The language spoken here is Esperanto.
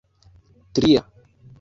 tria